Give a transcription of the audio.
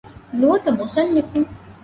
ނުވަތަ މުޞައްނިފުން